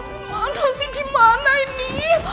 gimana sih dimana ini